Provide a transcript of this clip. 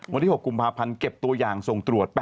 วันที่๖กุมภาพันธ์เก็บตัวอย่างส่งตรวจ